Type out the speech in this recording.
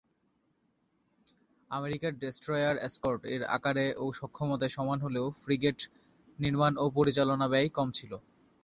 আমেরিকার ডেস্ট্রয়ার এসকর্ট-এর আকারে ও সক্ষমতায় সমান হলেও ফ্রিগেট নির্মাণ ও পরিচালনা ব্যয় কম ছিল।